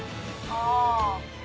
「ああ！